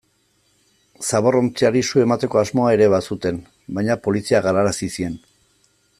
Zaborrontziari su emateko asmoa ere bazuten, baina poliziak galarazi zien.